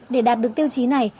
để đạt được tiêu chí này